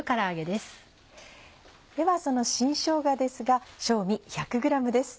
ではその新しょうがですが正味１００ｇです。